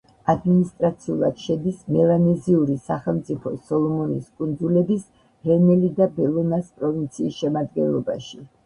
ადმინისტრაციულად შედის მელანეზიური სახელმწიფო სოლომონის კუნძულების რენელი და ბელონას პროვინციის შემადგენლობაში.